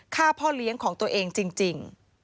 ฆ่าพ่อเลี้ยงของตัวเองจริง